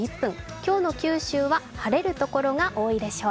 今日の九州は晴れる所が多いでしょう。